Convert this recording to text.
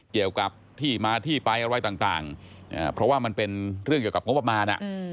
เกี่ยวกับที่มาที่ไปอะไรต่างเพราะว่ามันเป็นเรื่องเกี่ยวกับงบประมาณ